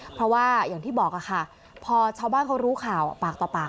เพราะว่าอย่างที่บอกค่ะพอชาวบ้านเขารู้ข่าวปากต่อปาก